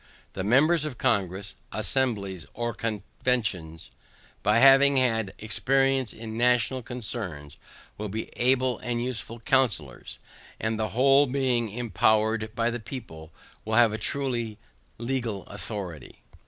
The members of Congress, Assemblies, or Conventions, by having had experience in national concerns, will be able and useful counsellors, and the whole, being impowered by the people, will have a truly legal authority.